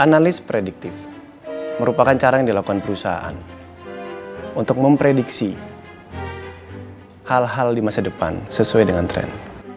analis prediktif merupakan cara yang dilakukan perusahaan untuk memprediksi hal hal di masa depan sesuai dengan tren